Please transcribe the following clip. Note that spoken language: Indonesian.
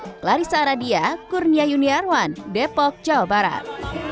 clarissa aradia kurnia yuniarwan depok jawa barat